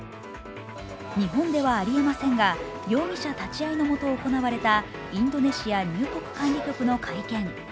日本ではありえませんが容疑者立ち会いのもと行われたインドネシア入国管理局の会見。